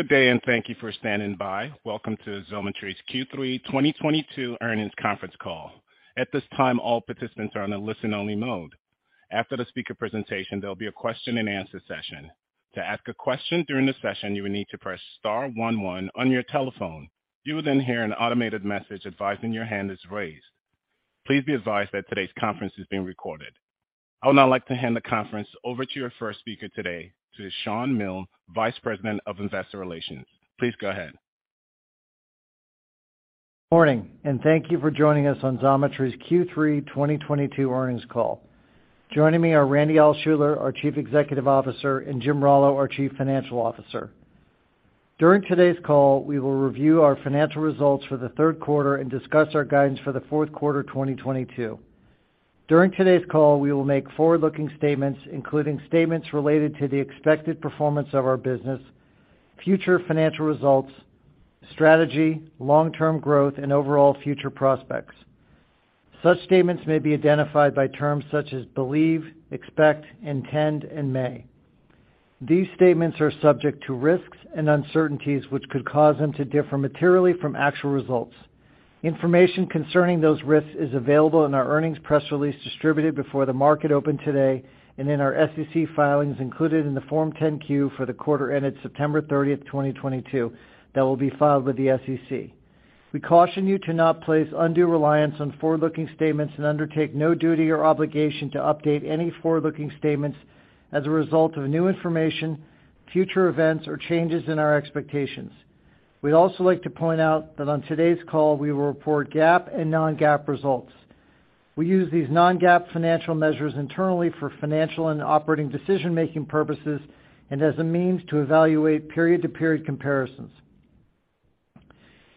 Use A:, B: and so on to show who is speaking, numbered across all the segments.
A: Good day, and thank you for standing by. Welcome to Xometry's Q3 2022 earnings conference call. At this time, all participants are on a listen-only mode. After the speaker presentation, there'll be a question-and-answer session. To ask a question during the session, you will need to press star one one on your telephone. You will then hear an automated message advising your hand is raised. Please be advised that today's conference is being recorded. I would now like to hand the conference over to your first speaker today, to Shawn Milne, Vice President of Investor Relations. Please go ahead.
B: Morning, and thank you for joining us on Xometry's Q3 2022 earnings call. Joining me are Randy Altschuler, our Chief Executive Officer, and Jim Rallo, our Chief Financial Officer. During today's call, we will review our financial results for the third quarter and discuss our guidance for the fourth quarter 2022. During today's call, we will make forward-looking statements, including statements related to the expected performance of our business, future financial results, strategy, long-term growth, and overall future prospects. Such statements may be identified by terms such as believe, expect, intend, and may. These statements are subject to risks and uncertainties which could cause them to differ materially from actual results. Information concerning those risks is available in our earnings press release distributed before the market opened today and in our SEC filings included in the Form 10-Q for the quarter ended September 30, 2022 that will be filed with the SEC. We caution you to not place undue reliance on forward-looking statements and undertake no duty or obligation to update any forward-looking statements as a result of new information, future events, or changes in our expectations. We'd also like to point out that on today's call, we will report GAAP and non-GAAP results. We use these non-GAAP financial measures internally for financial and operating decision-making purposes and as a means to evaluate period-to-period comparisons.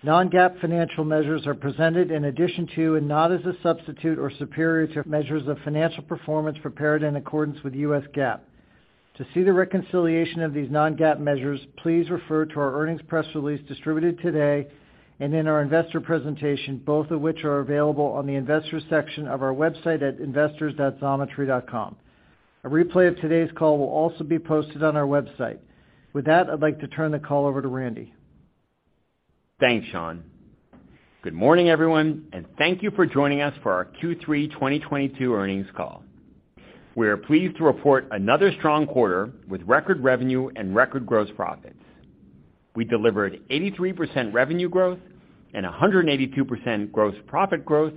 B: Non-GAAP financial measures are presented in addition to, and not as a substitute or superior to, measures of financial performance prepared in accordance with U.S. GAAP. To see the reconciliation of these non-GAAP measures, please refer to our earnings press release distributed today and in our investor presentation, both of which are available on the investors section of our website at investors.xometry.com. A replay of today's call will also be posted on our website. With that, I'd like to turn the call over to Randy.
C: Thanks, Shawn. Good morning, everyone, and thank you for joining us for our Q3 2022 earnings call. We are pleased to report another strong quarter with record revenue and record gross profits. We delivered 83% revenue growth and 182% gross profit growth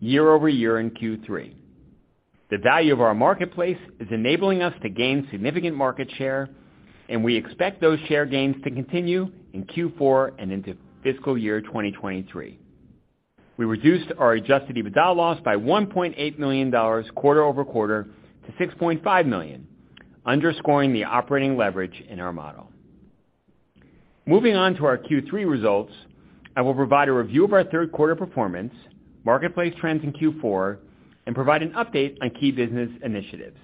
C: year-over-year in Q3. The value of our marketplace is enabling us to gain significant market share, and we expect those share gains to continue in Q4 and into fiscal year 2023. We reduced our adjusted EBITDA loss by $1.8 million quarter-over-quarter to $6.5 million, underscoring the operating leverage in our model. Moving on to our Q3 results, I will provide a review of our third quarter performance, marketplace trends in Q4, and provide an update on key business initiatives.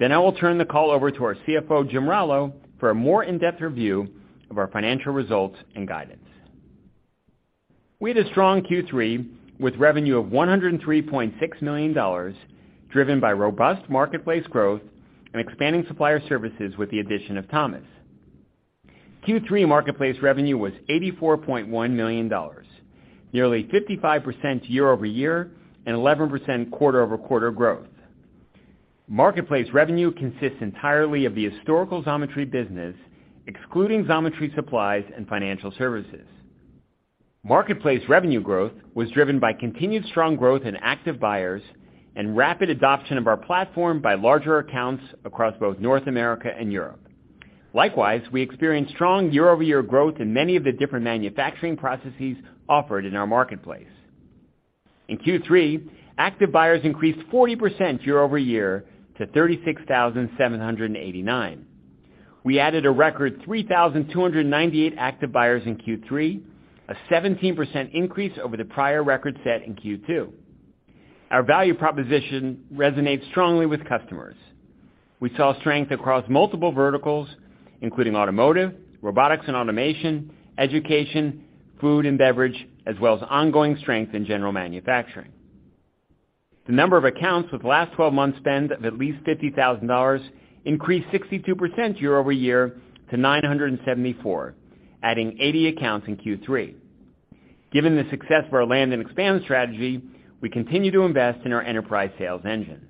C: I will turn the call over to our CFO, Jim Rallo, for a more in-depth review of our financial results and guidance. We had a strong Q3 with revenue of $103.6 million, driven by robust marketplace growth and expanding supplier services with the addition of Thomas. Q3 marketplace revenue was $84.1 million, nearly 55% year-over-year, and 11% quarter-over-quarter growth. Marketplace revenue consists entirely of the historical Xometry business, excluding Xometry Supplies and financial services. Marketplace revenue growth was driven by continued strong growth in active buyers and rapid adoption of our platform by larger accounts across both North America and Europe. Likewise, we experienced strong year-over-year growth in many of the different manufacturing processes offered in our marketplace. In Q3, active buyers increased 40% year-over-year to 36,789. We added a record 3,298 active buyers in Q3, a 17% increase over the prior record set in Q2. Our value proposition resonates strongly with customers. We saw strength across multiple verticals, including automotive, robotics and automation, education, food and beverage, as well as ongoing strength in general manufacturing. The number of accounts with last twelve months spend of at least $50,000 increased 62% year-over-year to 974, adding 80 accounts in Q3. Given the success of our land and expand strategy, we continue to invest in our enterprise sales engine.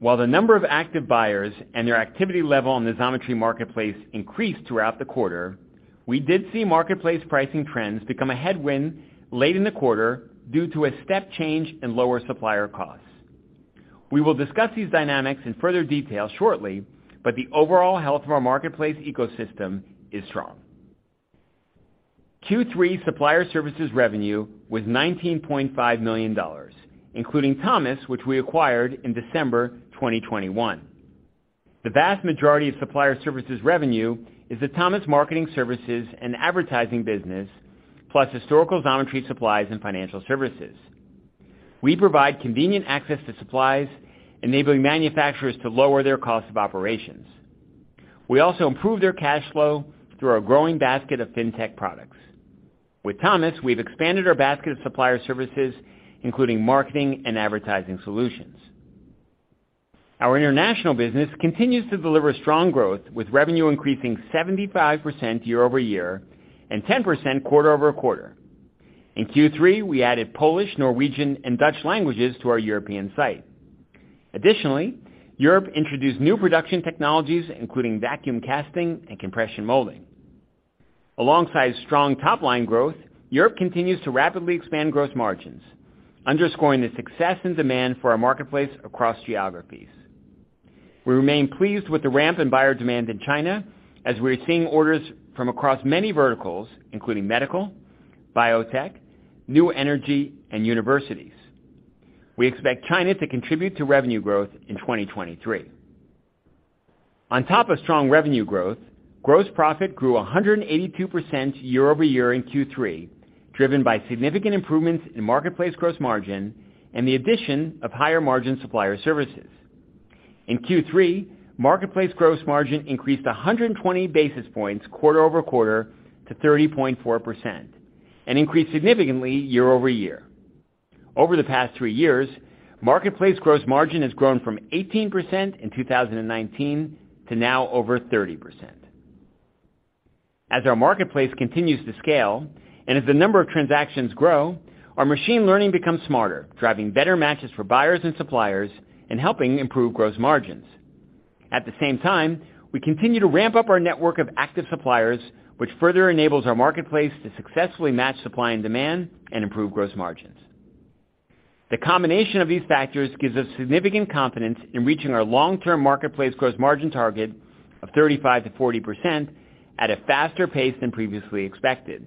C: While the number of active buyers and their activity level on the Xometry marketplace increased throughout the quarter, we did see marketplace pricing trends become a headwind late in the quarter due to a step change in lower supplier costs. We will discuss these dynamics in further detail shortly, but the overall health of our marketplace ecosystem is strong. Q3 supplier services revenue was $19.5 million, including Thomas, which we acquired in December 2021. The vast majority of supplier services revenue is the Thomas marketing services and advertising business, plus historical Xometry Supplies and financial services. We provide convenient access to supplies, enabling manufacturers to lower their cost of operations. We also improve their cash flow through our growing basket of fintech products. With Thomas, we've expanded our basket of supplier services, including marketing and advertising solutions. Our international business continues to deliver strong growth with revenue increasing 75% year-over-year and 10% quarter-over-quarter. In Q3, we added Polish, Norwegian, and Dutch languages to our European site. Additionally, Europe introduced new production technologies, including vacuum casting and compression molding. Alongside strong top-line growth, Europe continues to rapidly expand growth margins, underscoring the success and demand for our marketplace across geographies. We remain pleased with the ramp in buyer demand in China as we're seeing orders from across many verticals, including medical, biotech, new energy, and universities. We expect China to contribute to revenue growth in 2023. On top of strong revenue growth, gross profit grew 182% year-over-year in Q3, driven by significant improvements in marketplace gross margin and the addition of higher margin supplier services. In Q3, marketplace gross margin increased 120 basis points quarter-over-quarter to 30.4% and increased significantly year-over-year. Over the past 3 years, marketplace gross margin has grown from 18% in 2019 to now over 30%. As our marketplace continues to scale and as the number of transactions grow, our machine learning becomes smarter, driving better matches for buyers and suppliers and helping improve gross margins. At the same time, we continue to ramp up our network of active suppliers, which further enables our marketplace to successfully match supply and demand and improve gross margins. The combination of these factors gives us significant confidence in reaching our long-term marketplace gross margin target of 35%-40% at a faster pace than previously expected.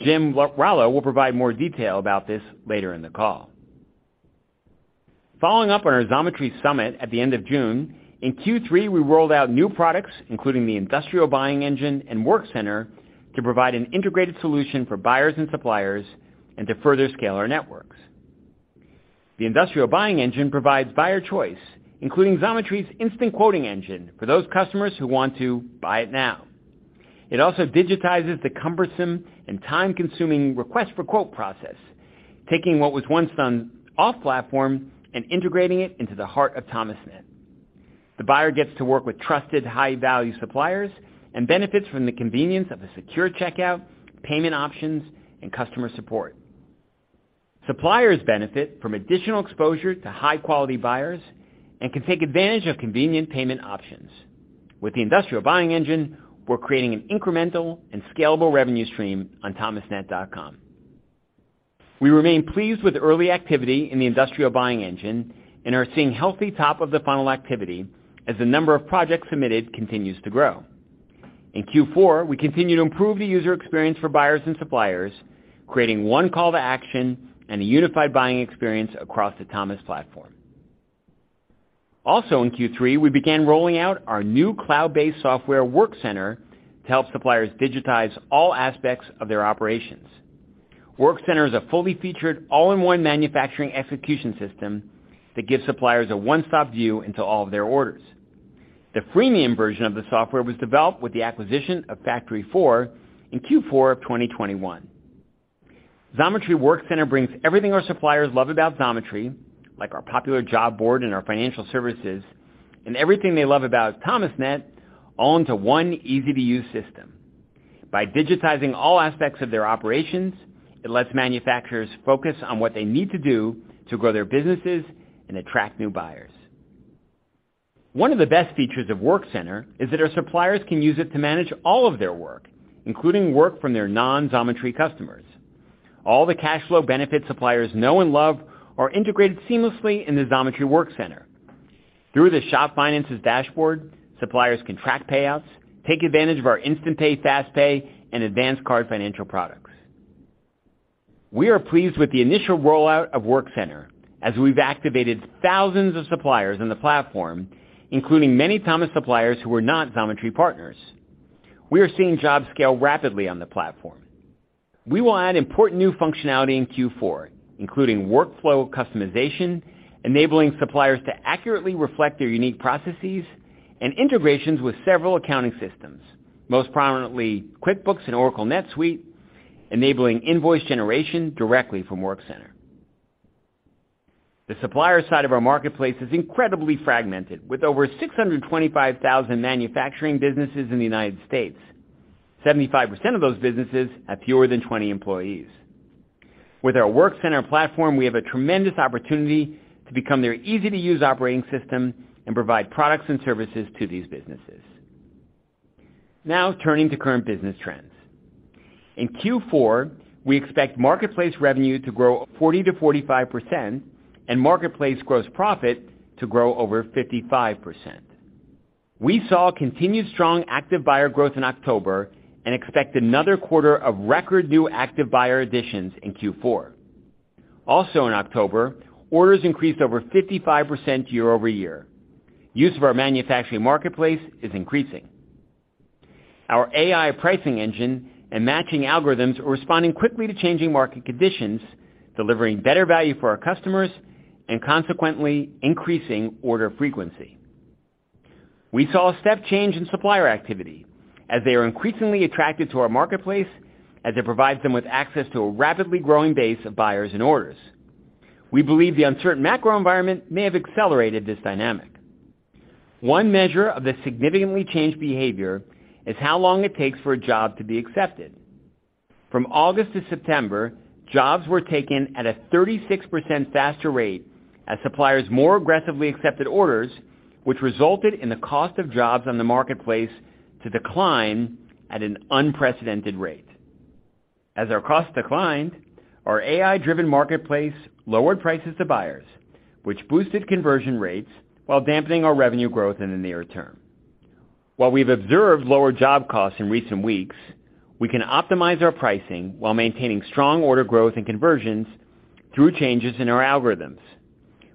C: Jim Rallo will provide more detail about this later in the call. Following up on our Xometry Summit at the end of June, in Q3, we rolled out new products, including the Industrial Buying Engine and Workcenter, to provide an integrated solution for buyers and suppliers and to further scale our networks. The Industrial Buying Engine provides buyer choice, including Xometry's instant quoting engine for those customers who want to buy it now. It also digitizes the cumbersome and time-consuming request for quote process, taking what was once done off-platform and integrating it into the heart of Thomasnet. The buyer gets to work with trusted high-value suppliers and benefits from the convenience of a secure checkout, payment options, and customer support. Suppliers benefit from additional exposure to high-quality buyers and can take advantage of convenient payment options. With the Industrial Buying Engine, we're creating an incremental and scalable revenue stream on Thomasnet.com. We remain pleased with the early activity in the Industrial Buying Engine and are seeing healthy top of the funnel activity as the number of projects submitted continues to grow. In Q4, we continue to improve the user experience for buyers and suppliers, creating one call to action and a unified buying experience across the Thomas platform. Also in Q3, we began rolling out our new cloud-based software, Workcenter, to help suppliers digitize all aspects of their operations. Workcenter is a fully featured all-in-one manufacturing execution system that gives suppliers a one-stop view into all of their orders. The freemium version of the software was developed with the acquisition of FactoryFour in Q4 of 2021. Xometry Workcenter brings everything our suppliers love about Xometry, like our popular job board and our financial services, and everything they love about Thomasnet, all into one easy-to-use system. By digitizing all aspects of their operations, it lets manufacturers focus on what they need to do to grow their businesses and attract new buyers. One of the best features of Workcenter is that our suppliers can use it to manage all of their work, including work from their non-Xometry customers. All the cash flow benefits suppliers know and love are integrated seamlessly in the Xometry Workcenter. Through the shop finances dashboard, suppliers can track payouts, take advantage of our InstantPay, FastPay, and Advance Card financial products. We are pleased with the initial rollout of Workcenter as we've activated thousands of suppliers on the platform, including many Thomas suppliers who are not Xometry partners. We are seeing jobs scale rapidly on the platform. We will add important new functionality in Q4, including workflow customization, enabling suppliers to accurately reflect their unique processes, and integrations with several accounting systems, most prominently QuickBooks and Oracle NetSuite, enabling invoice generation directly from Workcenter. The supplier side of our marketplace is incredibly fragmented with over 625,000 manufacturing businesses in the United States. 75% of those businesses have fewer than 20 employees. With our Workcenter platform, we have a tremendous opportunity to become their easy-to-use operating system and provide products and services to these businesses. Now turning to current business trends. In Q4, we expect marketplace revenue to grow 40%-45% and marketplace gross profit to grow over 55%. We saw continued strong active buyer growth in October and expect another quarter of record new active buyer additions in Q4. Also in October, orders increased over 55% year-over-year. Use of our manufacturing marketplace is increasing. Our AI pricing engine and matching algorithms are responding quickly to changing market conditions, delivering better value for our customers and consequently increasing order frequency. We saw a step change in supplier activity as they are increasingly attracted to our marketplace as it provides them with access to a rapidly growing base of buyers and orders. We believe the uncertain macro environment may have accelerated this dynamic. One measure of the significantly changed behavior is how long it takes for a job to be accepted. From August to September, jobs were taken at a 36% faster rate as suppliers more aggressively accepted orders, which resulted in the cost of jobs on the marketplace to decline at an unprecedented rate. As our costs declined, our AI-driven marketplace lowered prices to buyers, which boosted conversion rates while dampening our revenue growth in the near term. While we've observed lower job costs in recent weeks, we can optimize our pricing while maintaining strong order growth and conversions through changes in our algorithms.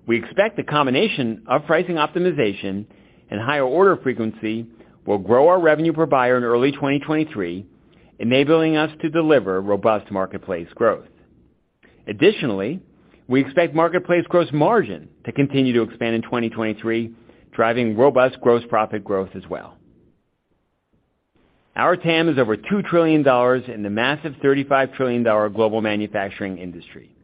C: We expect the combination of pricing optimization and higher order frequency will grow our revenue per buyer in early 2023, enabling us to deliver robust marketplace growth. Additionally, we expect marketplace gross margin to continue to expand in 2023, driving robust gross profit growth as well. Our TAM is over $2 trillion in the massive $35 trillion global manufacturing industry.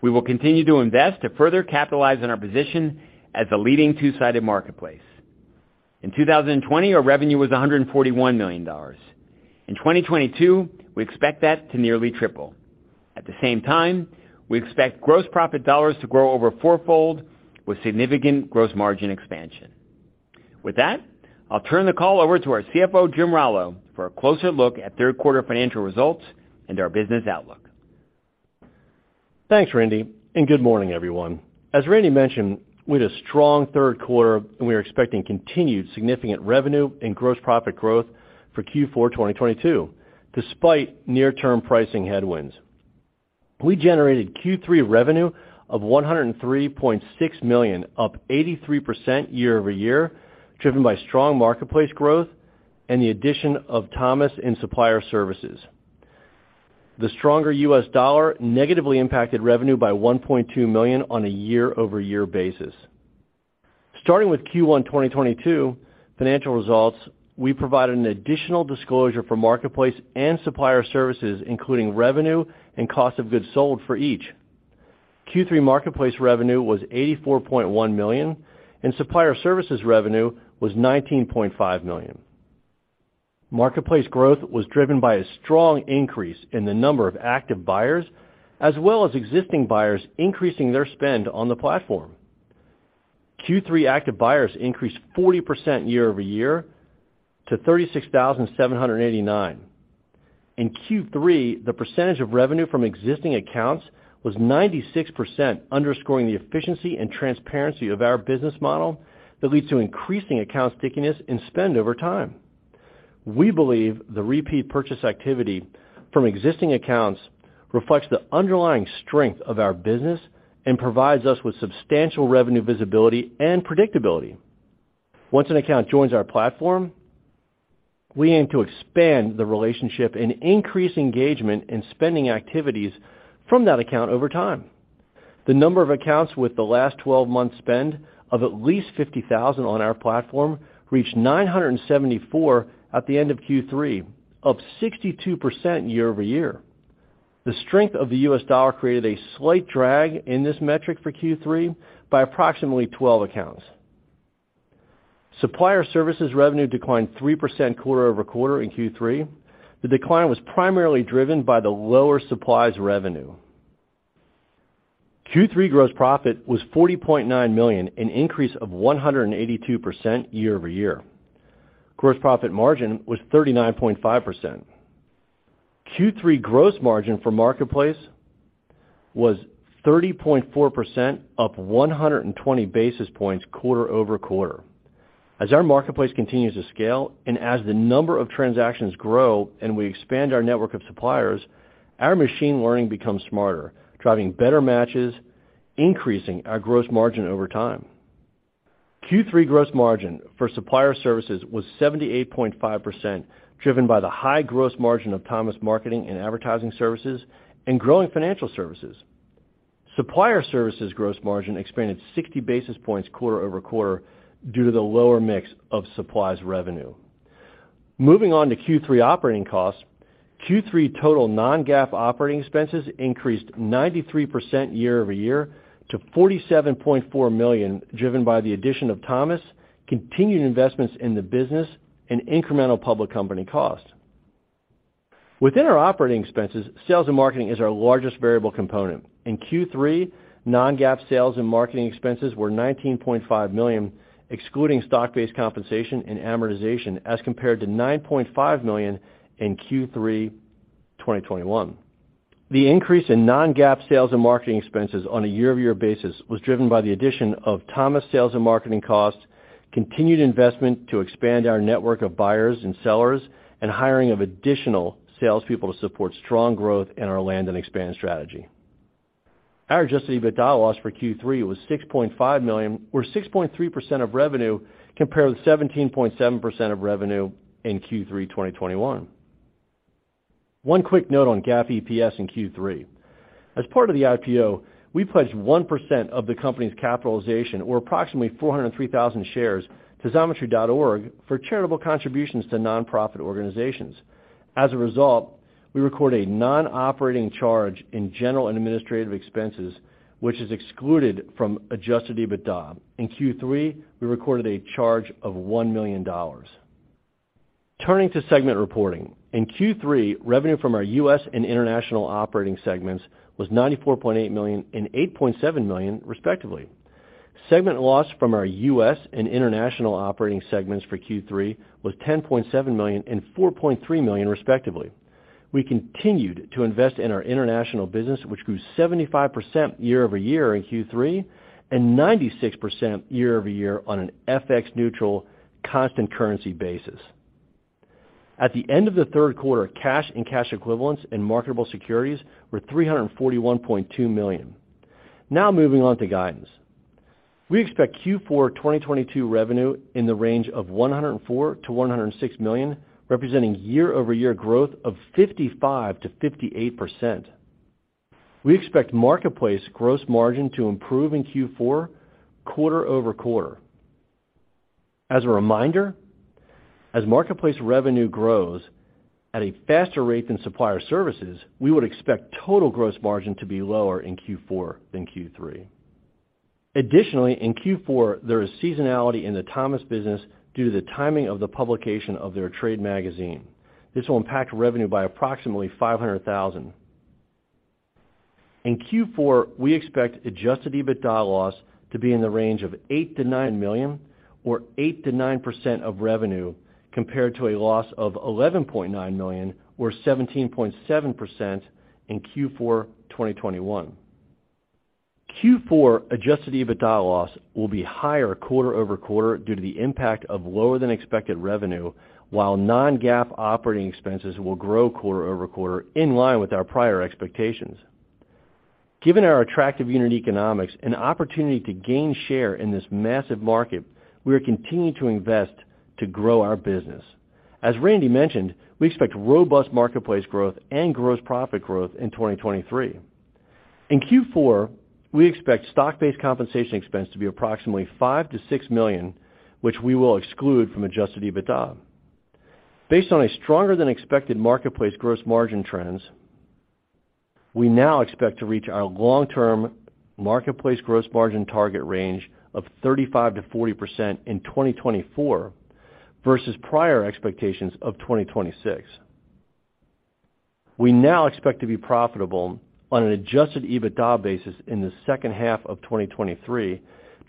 C: We will continue to invest to further capitalize on our position as a leading two-sided marketplace. In 2020, our revenue was $141 million. In 2022, we expect that to nearly triple. At the same time, we expect gross profit dollars to grow over four-fold with significant gross margin expansion. With that, I'll turn the call over to our CFO, Jim Rallo, for a closer look at third quarter financial results and our business outlook.
D: Thanks, Randy, and good morning, everyone. As Randy mentioned, we had a strong third quarter, and we are expecting continued significant revenue and gross profit growth for Q4 2022, despite near-term pricing headwinds. We generated Q3 revenue of $103.6 million, up 83% year-over-year, driven by strong marketplace growth and the addition of Thomas and supplier services. The stronger US dollar negatively impacted revenue by $1.2 million on a year-over-year basis. Starting with Q1 2022 financial results, we provided an additional disclosure for marketplace and supplier services, including revenue and cost of goods sold for each. Q3 marketplace revenue was $84.1 million, and supplier services revenue was $19.5 million. Marketplace growth was driven by a strong increase in the number of active buyers as well as existing buyers increasing their spend on the platform. Q3 active buyers increased 40% year-over-year to 36,789. In Q3, the percentage of revenue from existing accounts was 96%, underscoring the efficiency and transparency of our business model that leads to increasing account stickiness and spend over time. We believe the repeat purchase activity from existing accounts reflects the underlying strength of our business and provides us with substantial revenue visibility and predictability. Once an account joins our platform, we aim to expand the relationship and increase engagement in spending activities from that account over time. The number of accounts with the last twelve months spend of at least $50,000 on our platform reached 974 at the end of Q3, up 62% year-over-year. The strength of the US dollar created a slight drag in this metric for Q3 by approximately 12 accounts. Supplier services revenue declined 3% quarter-over-quarter in Q3. The decline was primarily driven by the lower supplies revenue. Q3 gross profit was $40.9 million, an increase of 182% year-over-year. Gross profit margin was 39.5%. Q3 gross margin for marketplace was 30.4%, up 120 basis points quarter-over-quarter. As our marketplace continues to scale and as the number of transactions grow and we expand our network of suppliers, our machine learning becomes smarter, driving better matches, increasing our gross margin over time. Q3 gross margin for supplier services was 78.5%, driven by the high gross margin of Thomas marketing and advertising services and growing financial services. Supplier services gross margin expanded 60 basis points quarter-over-quarter due to the lower mix of supplies revenue. Moving on to Q3 operating costs, Q3 total non-GAAP operating expenses increased 93% year-over-year to $47.4 million, driven by the addition of Thomas, continued investments in the business, and incremental public company costs. Within our operating expenses, sales and marketing is our largest variable component. In Q3, non-GAAP sales and marketing expenses were $19.5 million, excluding stock-based compensation and amortization as compared to $9.5 million in Q3 2021. The increase in non-GAAP sales and marketing expenses on a year-over-year basis was driven by the addition of Thomas sales and marketing costs, continued investment to expand our network of buyers and sellers, and hiring of additional salespeople to support strong growth in our land and expand strategy. Our adjusted EBITDA loss for Q3 was $6.5 million or 6.3% of revenue compared with 17.7% of revenue in Q3 2021. One quick note on GAAP EPS in Q3. As part of the IPO, we pledged 1% of the company's capitalization or approximately 403,000 shares to Xometry.org for charitable contributions to nonprofit organizations. As a result, we record a non-operating charge in general and administrative expenses, which is excluded from adjusted EBITDA. In Q3, we recorded a charge of $1 million. Turning to segment reporting. In Q3, revenue from our U.S. and international operating segments was $94.8 million and $8.7 million, respectively. Segment loss from our U.S. and international operating segments for Q3 was $10.7 million and $4.3 million, respectively. We continued to invest in our international business, which grew 75% year-over-year in Q3, and 96% year-over-year on an FX neutral constant currency basis. At the end of the third quarter, cash and cash equivalents and marketable securities were $341.2 million. Now moving on to guidance. We expect Q4 2022 revenue in the range of $104 million-$106 million, representing year-over-year growth of 55%-58%. We expect marketplace gross margin to improve in Q4 quarter-over-quarter. As a reminder, as marketplace revenue grows at a faster rate than supplier services, we would expect total gross margin to be lower in Q4 than Q3. Additionally, in Q4, there is seasonality in the Thomas business due to the timing of the publication of their trade magazine. This will impact revenue by approximately $500,000. In Q4, we expect adjusted EBITDA loss to be in the range of $8 million-$9 million or 8%-9% of revenue compared to a loss of $11.9 million or 17.7% in Q4 2021. Q4 adjusted EBITDA loss will be higher quarter-over-quarter due to the impact of lower than expected revenue, while non-GAAP operating expenses will grow quarter-over-quarter in line with our prior expectations. Given our attractive unit economics and opportunity to gain share in this massive market, we are continuing to invest to grow our business. As Randy mentioned, we expect robust marketplace growth and gross profit growth in 2023. In Q4, we expect stock-based compensation expense to be approximately $5 million-$6 million, which we will exclude from adjusted EBITDA. Based on a stronger than expected marketplace gross margin trends, we now expect to reach our long-term marketplace gross margin target range of 35%-40% in 2024 versus prior expectations of 2026. We now expect to be profitable on an adjusted EBITDA basis in the second half of 2023,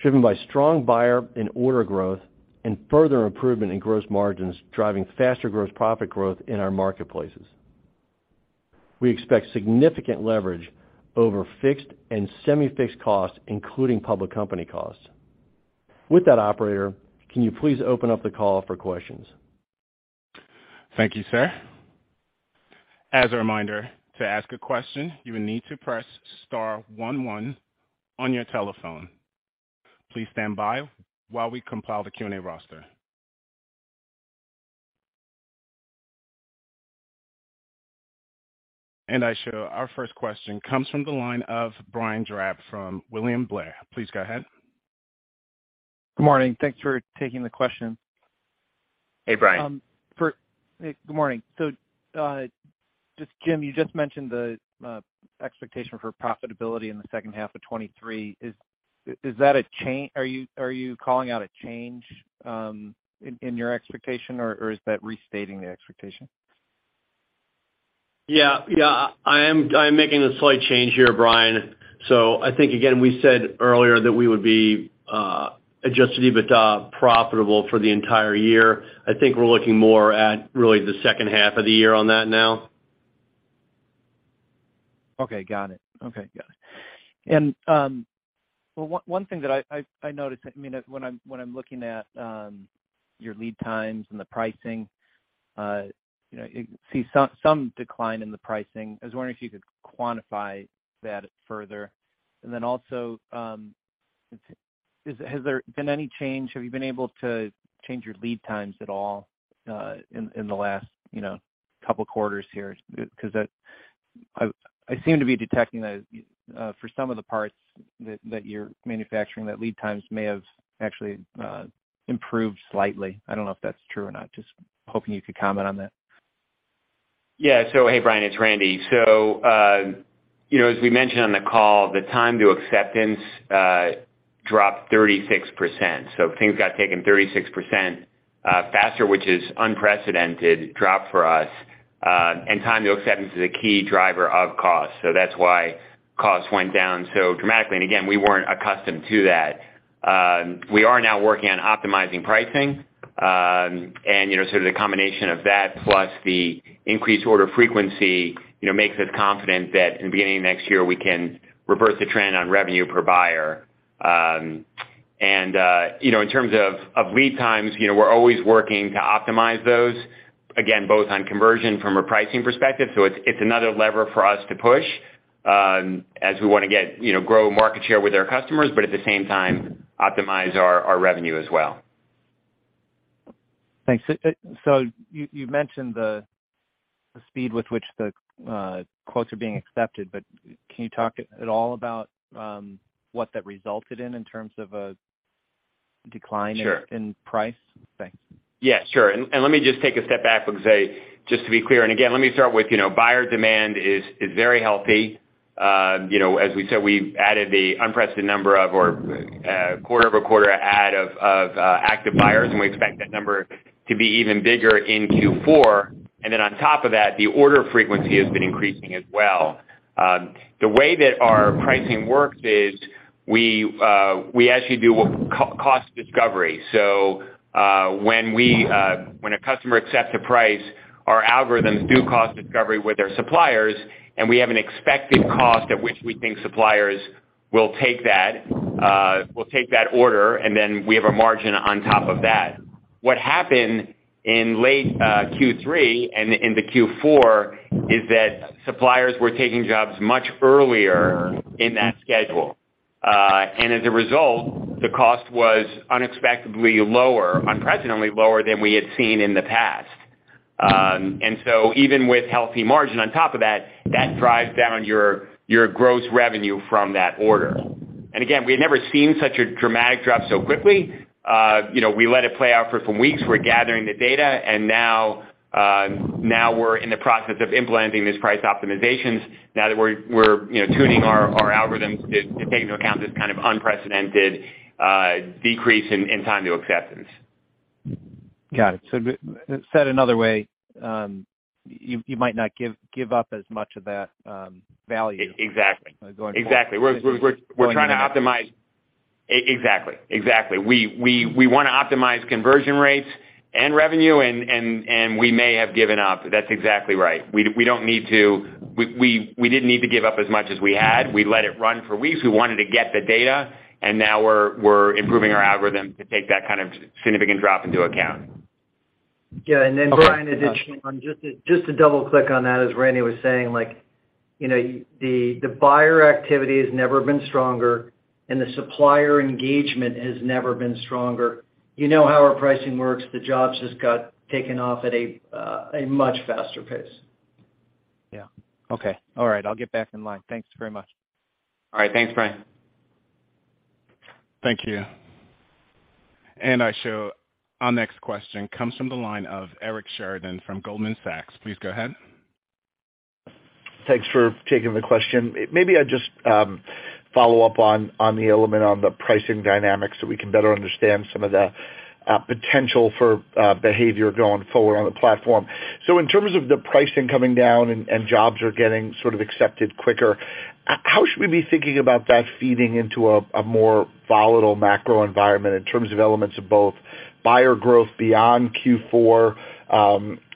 D: driven by strong buyer and order growth and further improvement in gross margins, driving faster gross profit growth in our marketplaces. We expect significant leverage over fixed and semi-fixed costs, including public company costs. With that, operator, can you please open up the call for questions?
A: Thank you, sir. As a reminder, to ask a question, you will need to press star one one on your telephone. Please stand by while we compile the Q&A roster. Aisha, our first question comes from the line of Brian Drab from William Blair. Please go ahead.
E: Good morning. Thanks for taking the question.
D: Hey, Brian.
E: Hey, good morning. Just Jim, you just mentioned the expectation for profitability in the second half of 2023. Is that a change? Are you calling out a change in your expectation, or is that restating the expectation?
D: Yeah. I am making a slight change here, Brian. I think, again, we said earlier that we would be adjusted EBITDA profitable for the entire year. I think we're looking more at really the second half of the year on that now.
E: Okay, got it. Well, one thing that I noticed, I mean, when I'm looking at your lead times and the pricing, you know, you see some decline in the pricing. I was wondering if you could quantify that further. Then also, has there been any change? Have you been able to change your lead times at all, in the last, you know, couple quarters here? I seem to be detecting that, for some of the parts that you're manufacturing, that lead times may have actually improved slightly. I don't know if that's true or not. Just hoping you could comment on that.
C: Yeah. Hey, Brian, it's Randy. You know, as we mentioned on the call, the time to acceptance dropped 36%. Things got taken 36% faster, which is an unprecedented drop for us. Time to acceptance is a key driver of cost, so that's why costs went down so dramatically. Again, we weren't accustomed to that. We are now working on optimizing pricing, and you know, sort of the combination of that plus the increased order frequency, you know, makes us confident that in the beginning of next year, we can reverse the trend on revenue per buyer. You know, in terms of lead times, you know, we're always working to optimize those, again, both on conversion from a pricing perspective. It's another lever for us to push, as we wanna get, you know, grow market share with our customers, but at the same time, optimize our revenue as well.
E: Thanks. You mentioned the speed with which the quotes are being accepted, but can you talk at all about what that resulted in in terms of a decline?
C: Sure.
E: in price? Thanks.
C: Yeah, sure. Let me just take a step back and say, just to be clear, and again, let me start with, you know, buyer demand is very healthy. You know, as we said, we've added the unprecedented quarter-over-quarter add of active buyers, and we expect that number to be even bigger in Q4. On top of that, the order frequency has been increasing as well. The way that our pricing works is we actually do a cost discovery. When a customer accepts a price, our algorithms do cost discovery with their suppliers, and we have an expected cost at which we think suppliers will take that order, and we have a margin on top of that. What happened in late Q3 and into Q4 is that suppliers were taking jobs much earlier in that schedule. As a result, the cost was unexpectedly lower, unprecedentedly lower than we had seen in the past. Even with healthy margin on top of that drives down your gross revenue from that order. Again, we had never seen such a dramatic drop so quickly. You know, we let it play out for some weeks. We're gathering the data, and now we're in the process of implementing these price optimizations now that we're, you know, tuning our algorithms to take into account this kind of unprecedented decrease in time to acceptance.
E: Got it. Said another way, you might not give up as much of that value.
C: Exactly.
E: going forward.
C: Exactly. We're trying to optimize. Exactly. We wanna optimize conversion rates and revenue, and we may have given up. That's exactly right. We don't need to. We didn't need to give up as much as we had. We let it run for weeks. We wanted to get the data, and now we're improving our algorithm to take that kind of significant drop into account.
B: Yeah. Brian-
E: Okay.
B: Additionally, just to double-click on that, as Randy was saying, like, you know, the buyer activity has never been stronger and the supplier engagement has never been stronger. You know how our pricing works. The jobs just got taken off at a much faster pace.
E: Yeah. Okay. All right. I'll get back in line. Thanks very much.
C: All right. Thanks, Brian.
A: Thank you. I show our next question comes from the line of Eric Sheridan from Goldman Sachs. Please go ahead.
F: Thanks for taking the question. Maybe I just follow up on the element on the pricing dynamics so we can better understand some of the potential for behavior going forward on the platform. In terms of the pricing coming down and jobs are getting sort of accepted quicker, how should we be thinking about that feeding into a more volatile macro environment in terms of elements of both buyer growth beyond Q4,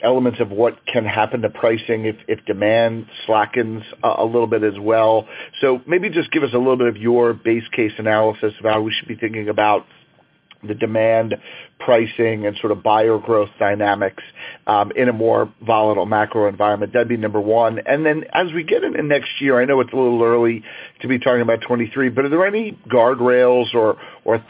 F: elements of what can happen to pricing if demand slackens a little bit as well? Maybe just give us a little bit of your base case analysis of how we should be thinking about the demand pricing and sort of buyer growth dynamics in a more volatile macro environment. That'd be number one. Then as we get into next year, I know it's a little early to be talking about 2023, but are there any guardrails or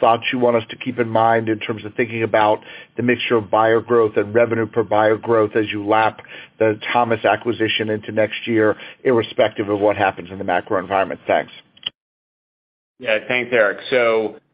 F: thoughts you want us to keep in mind in terms of thinking about the mixture of buyer growth and revenue per buyer growth as you lap the Thomas acquisition into next year, irrespective of what happens in the macro environment? Thanks.
C: Thanks, Eric.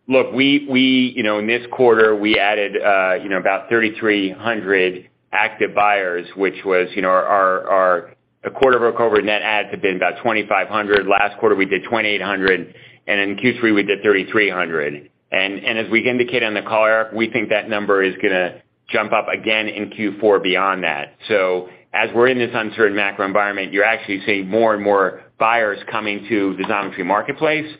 C: Look, in this quarter, we added about 3,300 active buyers, which was our quarter-over-quarter net adds have been about 2,500. Last quarter, we did 2,800, and in Q3, we did 3,300. As we indicated on the call, Eric, we think that number is gonna jump up again in Q4 beyond that. As we're in this uncertain macro environment, you're actually seeing more and more buyers coming to the Xometry marketplace.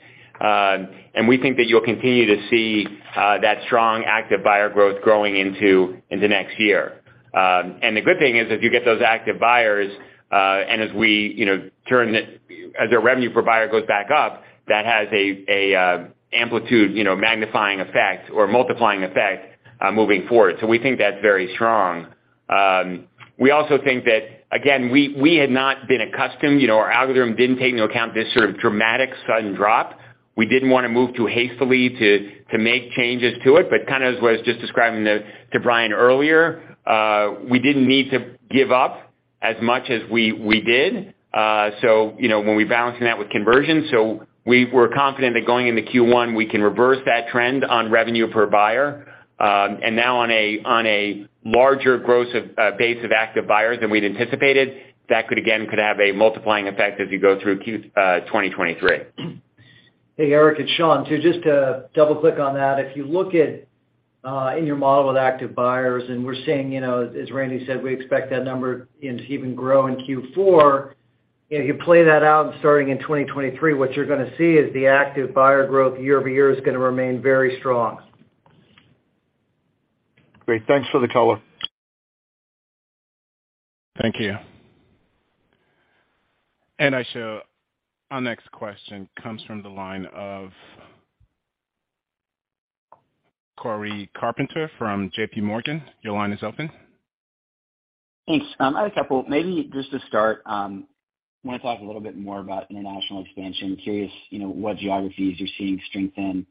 C: We think that you'll continue to see that strong active buyer growth growing into next year. The good thing is if you get those active buyers, and as we turn the As our revenue per buyer goes back up, that has a amplitude, you know, magnifying effect or multiplying effect, moving forward. We think that's very strong. We also think that, again, we had not been accustomed, you know, our algorithm didn't take into account this sort of dramatic sudden drop. We didn't wanna move too hastily to make changes to it. Kind of as I was just describing to Brian earlier, we didn't need to give up as much as we did, you know, when we're balancing that with conversion. We were confident that going into Q1, we can reverse that trend on revenue per buyer. Now on a larger base of active buyers than we'd anticipated, that could again have a multiplying effect as you go through Q 2023.
B: Hey, Eric, it's Shawn. Just to double-click on that. If you look at, in your model with active buyers, and we're seeing, you know, as Randy said, we expect that number to even grow in Q4. If you play that out and starting in 2023, what you're gonna see is the active buyer growth year-over-year is gonna remain very strong.
F: Great. Thanks for the color.
A: Thank you. I show our next question comes from the line of Cory Carpenter from JPMorgan. Your line is open.
G: Thanks. I had a couple. Maybe just to start, wanna talk a little bit more about international expansion. Curious, you know, what geographies you're seeing strength in.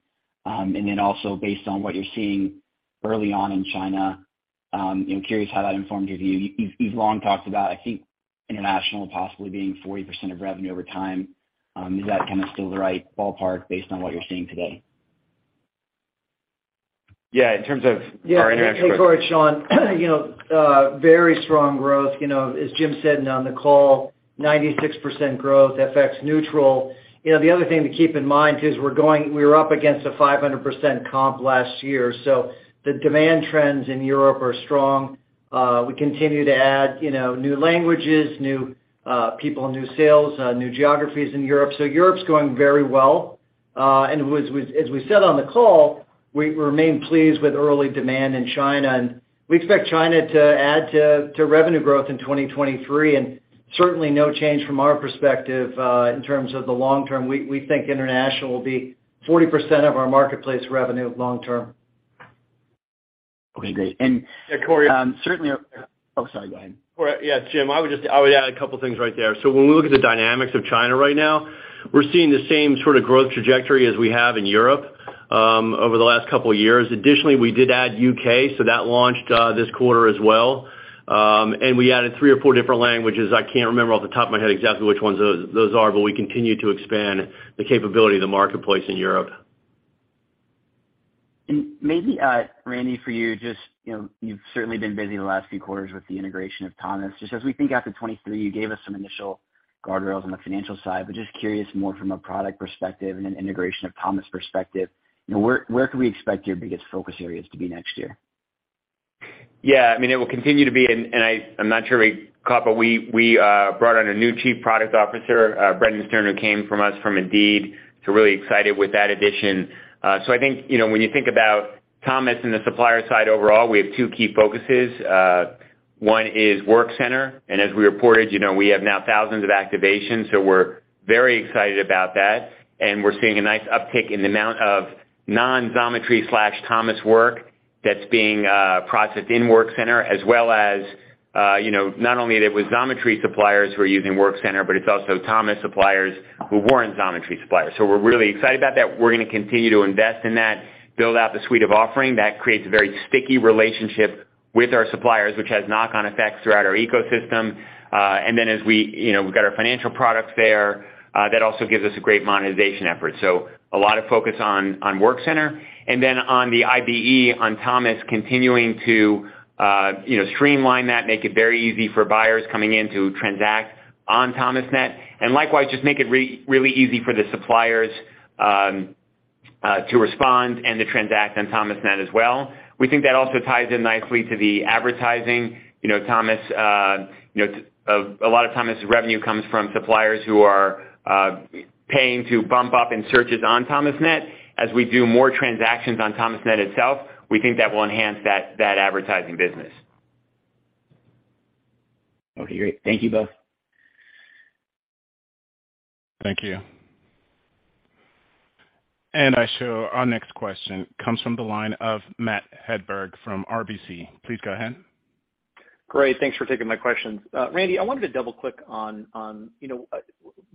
G: And then also based on what you're seeing early on in China, you know, curious how that informed your view. You've long talked about, I think, international possibly being 40% of revenue over time. Is that kinda still the right ballpark based on what you're seeing today?
C: Yeah, in terms of our international
B: Yeah. Hey, Cory, it's Shawn. You know, very strong growth, you know, as Jim said on the call, 96% growth, FX neutral. You know, the other thing to keep in mind, too, is we were up against a 500% comp last year. The demand trends in Europe are strong. We continue to add, you know, new languages, new people, new sales, new geographies in Europe. So Europe's going very well. As we said on the call, we remain pleased with early demand in China. We expect China to add to revenue growth in 2023, and certainly no change from our perspective in terms of the long term. We think international will be 40% of our marketplace revenue long term.
G: Okay, great.
C: Yeah, Cory.
G: Certainly. Oh, sorry, go ahead.
D: Yeah, Jim, I would add a couple things right there. When we look at the dynamics of China right now, we're seeing the same sort of growth trajectory as we have in Europe over the last couple years. Additionally, we did add U.K., so that launched this quarter as well. We added three or four different languages. I can't remember off the top of my head exactly which ones those are, but we continue to expand the capability of the marketplace in Europe.
G: Maybe, Randy, for you, just, you know, you've certainly been busy the last few quarters with the integration of Thomas. Just as we think after 2023, you gave us some initial guardrails on the financial side, but just curious more from a product perspective and an integration of Thomas perspective, you know, where could we expect your biggest focus areas to be next year?
C: Yeah. I mean, it will continue to be. I’m not sure we caught, but we brought on a new Chief Product Officer, Brendan Sterne, who came to us from Indeed, so really excited with that addition. I think, you know, when you think about Thomas and the supplier side overall, we have two key focuses. One is Workcenter, and as we reported, you know, we have now thousands of activations, so we're very excited about that. We're seeing a nice uptick in the amount of non-Xometry/Thomas work that's being processed in Workcenter, as well as, you know, not only that with Xometry suppliers who are using Workcenter, but it's also Thomas suppliers who weren't Xometry suppliers. We're really excited about that. We're gonna continue to invest in that, build out the suite of offering. That creates a very sticky relationship with our suppliers, which has knock-on effects throughout our ecosystem. As we, you know, we've got our financial products there, that also gives us a great monetization effort. A lot of focus on Workcenter. On the IBE on Thomas, continuing to, you know, streamline that, make it very easy for buyers coming in to transact on Thomasnet. Likewise, just make it really easy for the suppliers to respond and to transact on Thomasnet as well. We think that also ties in nicely to the advertising. You know, Thomas, you know, a lot of Thomas' revenue comes from suppliers who are paying to bump up in searches on Thomasnet. As we do more transactions on Thomasnet itself, we think that will enhance that advertising business.
G: Okay, great. Thank you both.
A: Thank you. I show our next question comes from the line of Matt Hedberg from RBC. Please go ahead.
H: Great. Thanks for taking my questions. Randy, I wanted to double-click on, you know,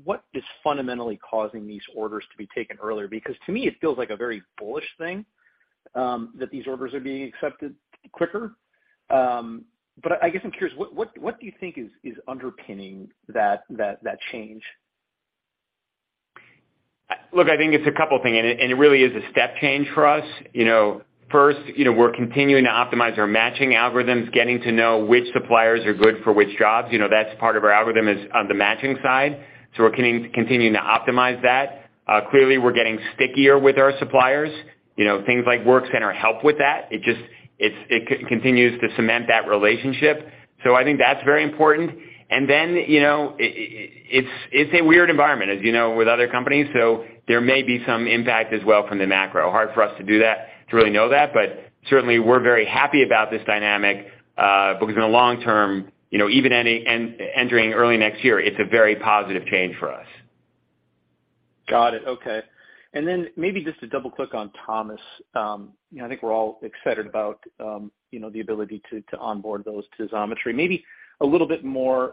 H: what is fundamentally causing these orders to be taken earlier? Because to me it feels like a very bullish thing that these orders are being accepted quicker. But I guess I'm curious, what do you think is underpinning that change?
C: Look, I think it's a couple things, and it really is a step change for us. You know, first, you know, we're continuing to optimize our matching algorithms, getting to know which suppliers are good for which jobs. You know, that's part of our algorithm is on the matching side. We're continuing to optimize that. Clearly we're getting stickier with our suppliers. You know, things like Workcenter help with that. It just continues to cement that relationship. I think that's very important. You know, it's a weird environment, as you know, with other companies, so there may be some impact as well from the macro. Hard for us to do that, to really know that, but certainly we're very happy about this dynamic, because in the long term, you know, even entering early next year, it's a very positive change for us.
H: Got it. Okay. Maybe just to double-click on Thomas, you know, I think we're all excited about, you know, the ability to onboard those to Xometry. Maybe a little bit more of, you know, a little bit more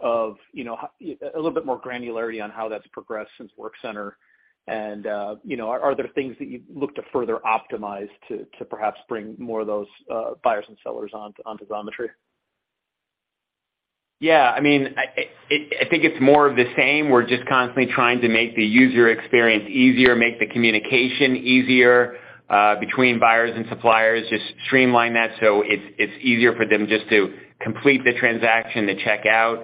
H: granularity on how that's progressed since Workcenter. You know, are there things that you'd look to further optimize to perhaps bring more of those, buyers and sellers onto Xometry?
C: Yeah. I mean, I think it's more of the same. We're just constantly trying to make the user experience easier, make the communication easier between buyers and suppliers, just streamline that so it's easier for them just to complete the transaction, the checkout.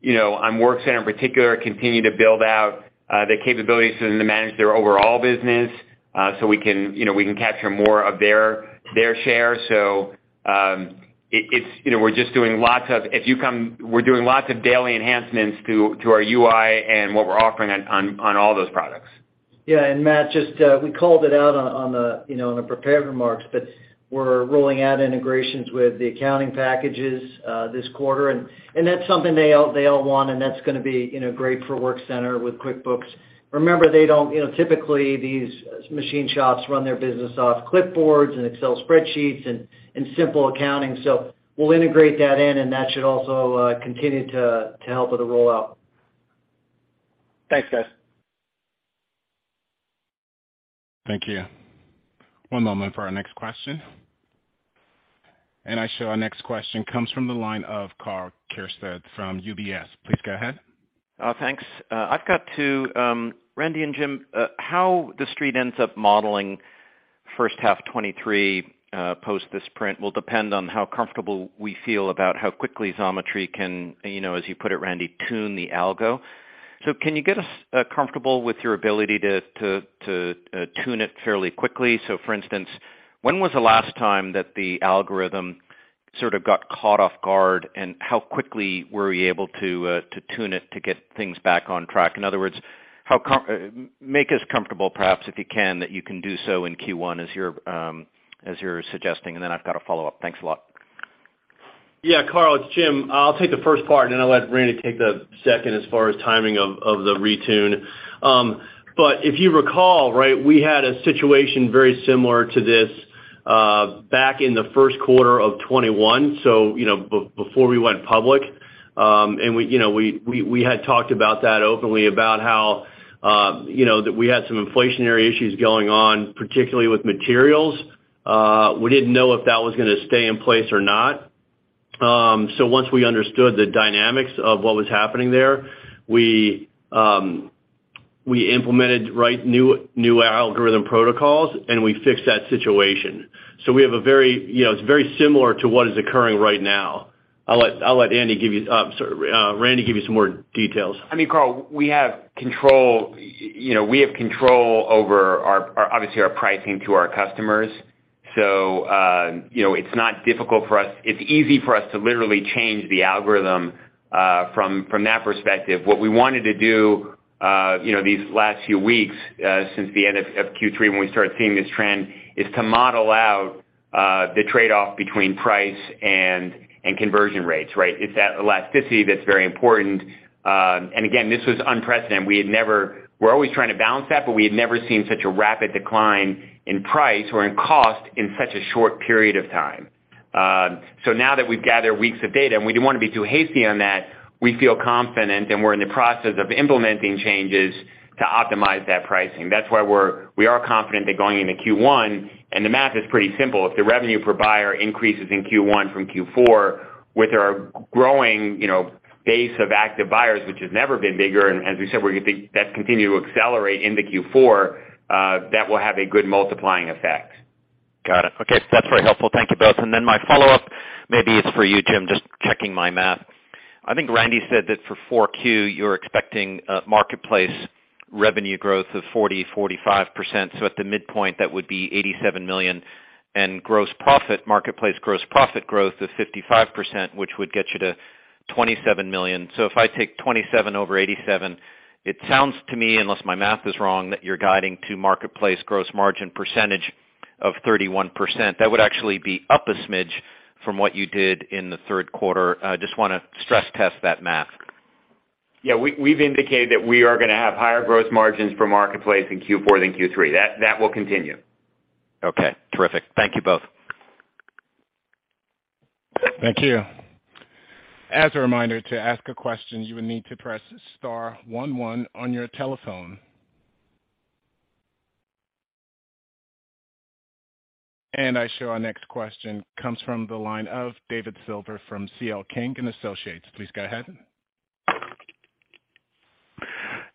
C: You know, on Workcenter in particular, continue to build out the capabilities to manage their overall business so we can capture more of their share. It's you know, we're just doing lots of daily enhancements to our UI and what we're offering on all those products.
B: Yeah. Matt, just, we called it out on the prepared remarks, but we're rolling out integrations with the accounting packages this quarter. That's something they all want, and that's gonna be, you know, great for Workcenter with QuickBooks. Remember, they don't, you know, typically, these machine shops run their business off clipboards and Excel spreadsheets and simple accounting. We'll integrate that in, and that should also continue to help with the rollout.
H: Thanks, guys.
A: Thank you. One moment for our next question. I show our next question comes from the line of Karl Keirstead from UBS. Please go ahead.
I: Thanks. I've got to Randy and Jim how the street ends up modeling first half 2023 post this print will depend on how comfortable we feel about how quickly Xometry can, you know, as you put it, Randy, tune the algo. Can you get us comfortable with your ability to tune it fairly quickly? For instance, when was the last time that the algorithm sort of got caught off guard, and how quickly were you able to tune it to get things back on track? In other words, make us comfortable, perhaps, if you can, that you can do so in Q1 as you're suggesting. I've got a follow-up. Thanks a lot.
D: Yeah. Karl, it's Jim. I'll take the first part, and then I'll let Randy take the second as far as timing of the retune. If you recall, right, we had a situation very similar to this back in the first quarter of 2021, so you know, before we went public. We had talked about that openly about how you know that we had some inflationary issues going on, particularly with materials. We didn't know if that was gonna stay in place or not. Once we understood the dynamics of what was happening there, we implemented, right, new algorithm protocols, and we fixed that situation. You know, it's very similar to what is occurring right now. I'll let Andy, sorry, Randy, give you some more details.
C: I mean, Karl, we have control, you know, over our, obviously, our pricing to our customers. It's not difficult for us. It's easy for us to literally change the algorithm from that perspective. What we wanted to do, you know, these last few weeks since the end of Q3 when we started seeing this trend, is to model out the trade-off between price and conversion rates, right? It's that elasticity that's very important. Again, this was unprecedented. We're always trying to balance that, but we had never seen such a rapid decline in price or in cost in such a short period of time. Now that we've gathered weeks of data, and we didn't wanna be too hasty on that, we feel confident, and we're in the process of implementing changes to optimize that pricing. That's why we are confident that going into Q1, and the math is pretty simple, if the revenue per buyer increases in Q1 from Q4 with our growing, you know, base of active buyers, which has never been bigger, and as we said, we think that's continued to accelerate into Q4, that will have a good multiplying effect.
I: Got it. Okay. That's very helpful. Thank you both. My follow-up maybe is for you, Jim, just checking my math. I think Randy said that for 4Q, you're expecting marketplace revenue growth of 40%-45%. At the midpoint, that would be $87 million. Gross profit, marketplace gross profit growth of 55%, which would get you to $27 million. If I take 27 over 87, it sounds to me, unless my math is wrong, that you're guiding to marketplace gross margin percentage of 31%. That would actually be up a smidge from what you did in the third quarter. Just wanna stress test that math.
D: Yeah. We've indicated that we are gonna have higher gross margins for marketplace in Q4 than Q3. That will continue.
I: Okay. Terrific. Thank you both.
A: Thank you. As a reminder, to ask a question, you will need to press star one one on your telephone. I show our next question comes from the line of David Silver from C.L. King & Associates. Please go ahead.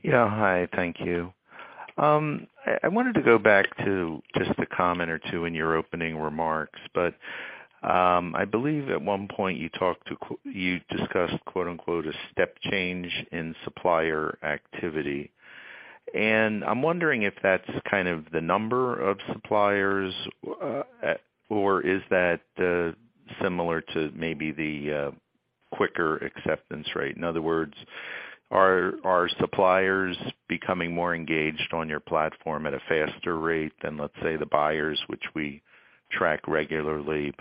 J: Yeah. Hi. Thank you. I wanted to go back to just a comment or two in your opening remarks. I believe at one point you discussed, quote-unquote, "a step change in supplier activity." I'm wondering if that's kind of the number of suppliers, or is that similar to maybe the quicker acceptance rate? In other words, are suppliers becoming more engaged on your platform at a faster rate than, let's say, the buyers, which we track regularly?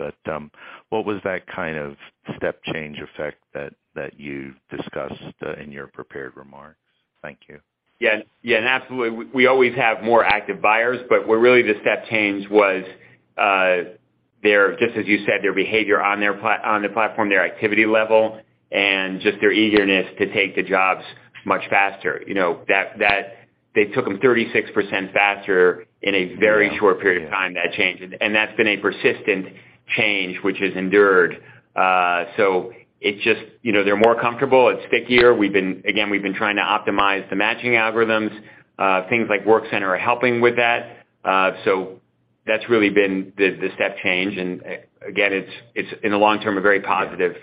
J: What was that kind of step change effect that you discussed in your prepared remarks? Thank you.
C: Yeah. Yeah, absolutely, we always have more active buyers, but where really the step change was, their just as you said, their behavior on the platform, their activity level, and just their eagerness to take the jobs much faster. You know, that they took them 36% faster in a very short period of time, that change. That's been a persistent change which has endured. It just. You know, they're more comfortable. It's stickier. We've been again trying to optimize the matching algorithms. Things like Workcenter are helping with that. That's really been the step change. Again, it's in the long term, a very positive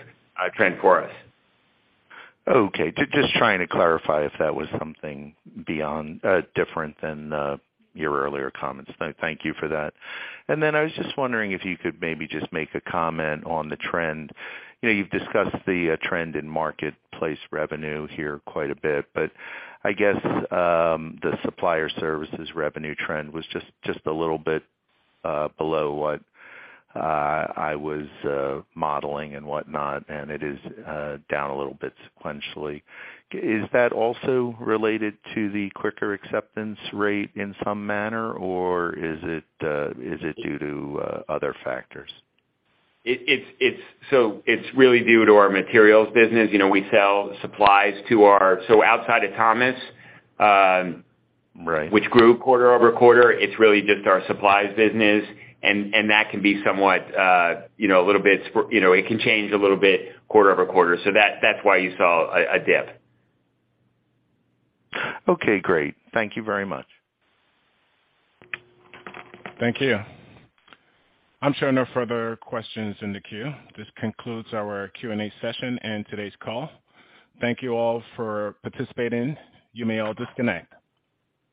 C: trend for us.
J: Okay. Just trying to clarify if that was something beyond, different than, your earlier comments. Thank you for that. Then I was just wondering if you could maybe just make a comment on the trend. You know, you've discussed the trend in marketplace revenue here quite a bit, but I guess, the supplier services revenue trend was just a little bit below what I was modeling and whatnot, and it is down a little bit sequentially. Is that also related to the quicker acceptance rate in some manner, or is it due to other factors?
C: It's really due to our materials business. You know, we sell supplies to our. Outside of Thomas.
J: Right
C: Which grew quarter-over-quarter, it's really just our supplies business, and that can be somewhat, you know, a little bit you know, it can change a little bit quarter-over-quarter. That, that's why you saw a dip.
J: Okay. Great. Thank you very much.
A: Thank you. I'm showing no further questions in the queue. This concludes our Q&A session and today's call. Thank you all for participating. You may all disconnect.